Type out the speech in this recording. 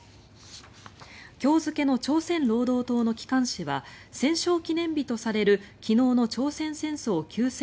今日付の朝鮮労働党の機関紙は戦勝記念日とされる昨日の朝鮮戦争休戦